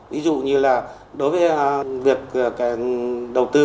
ví dụ như là đối với việc đầu tư